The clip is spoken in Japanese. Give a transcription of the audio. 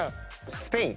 スペイン。